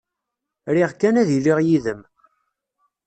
Riɣ kan ad iliɣ yid-m.